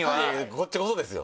こっちこそですよ。